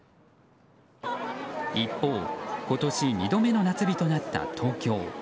一方、今年２度目の夏日となった東京。